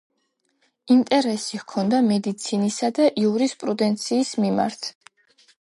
ინტერესი ჰქონდა მედიცინისა და იურისპრუდენციის მიმართ.